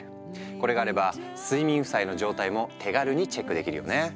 これがあれば睡眠負債の状態も手軽にチェックできるよね。